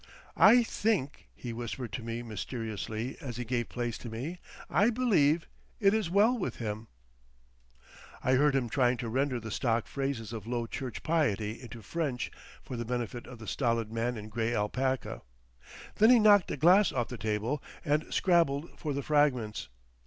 "I think," he whispered to me mysteriously, as he gave place to me, "I believe—it is well with him." I heard him trying to render the stock phrases of Low Church piety into French for the benefit of the stolid man in grey alpaca. Then he knocked a glass off the table, and scrabbled for the fragments.